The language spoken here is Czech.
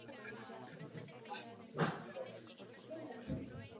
Zaprvé a především považuji za nutné zdůraznit roli Parlamentu.